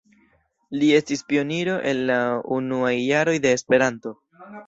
Li estis pioniro el la unuaj jaroj de Esperanto.